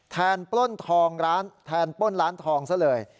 แทนปล้นร้านทองซะเลย